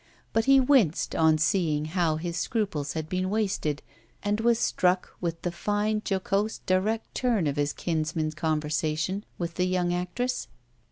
But he winced on seeing how his scruples had been wasted, and was struck with the fine, jocose, direct turn of his kinsman's conversation with the young actress.